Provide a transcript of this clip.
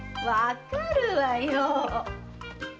わかるわよ！